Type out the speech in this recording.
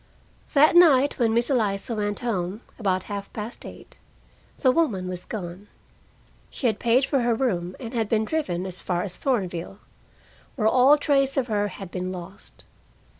That night when Miss Eliza went home, about half past eight, the woman was gone. She had paid for her room and had been driven as far as Thornville, where all trace of her had been lost.